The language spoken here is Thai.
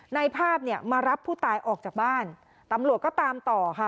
ในภาพเนี่ยมารับผู้ตายออกจากบ้านตำรวจก็ตามต่อค่ะ